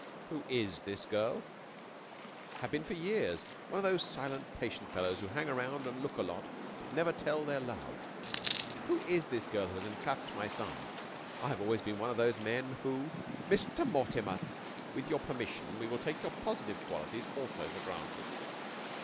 "Who is this girl?" "Have been for years. I'm one of those silent, patient fellows who hang around and look a lot, but never tell their love...." "Who is this girl who has entrapped my son?" "I've always been one of those men who...." "Mr. Mortimer! With your permission we will take your positive qualities, also, for granted.